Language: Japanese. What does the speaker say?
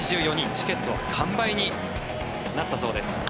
チケットは完売になったそうです。